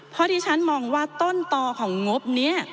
เพราะที่ฉันมองว่าต้นต่อของงบนี้